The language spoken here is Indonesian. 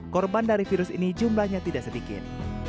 korban dari virus ini jumlahnya tidak sedikit